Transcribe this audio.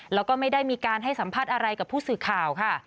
แล้วก็ไม่ได้มีการให้สัมภาษณ์อะไรกับผู้สื่อข่าวค่ะ